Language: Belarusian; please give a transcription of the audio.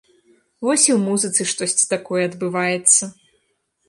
Вось і ў музыцы штосьці такое адбываецца.